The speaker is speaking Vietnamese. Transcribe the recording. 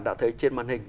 đã thấy trên màn hình